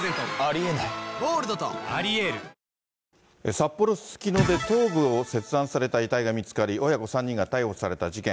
札幌市ススキノで頭部を切断された遺体が見つかり、親子３人が逮捕された事件。